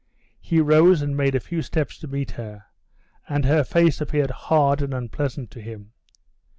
He rose and made a few steps to meet her, and her face appeared hard and unpleasant to him.